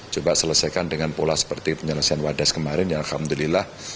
coba selesaikan dengan pola seperti penyelesaian wadas kemarin ya alhamdulillah